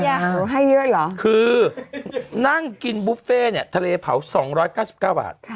อันนี้ยากหรอให้เยอะหรอคือนั่งกินบุฟเฟ่เนี่ยทะเลเผา๒๙๙บาท